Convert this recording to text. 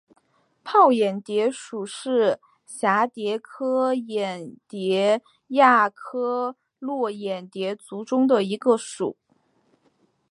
泡眼蝶属是蛱蝶科眼蝶亚科络眼蝶族中的一个属。